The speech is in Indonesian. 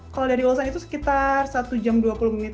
kalau dari ulsan itu sekitar satu jam dua puluh menit